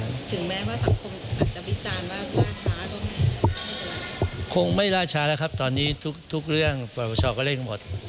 ถึงแม้ว่าสังคมอาจจะวิจารณ์ว่าล่าช้าก็ไม่คงไม่ล่าช้าแล้วครับตอนนี้ทุกเรื่องปรปชก็เร่งหมด